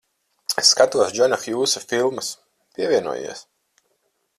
Skatos Džona Hjūsa filmas. Pievienojies.